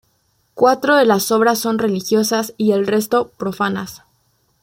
Cuatro de las obras son religiosas y el resto profanas.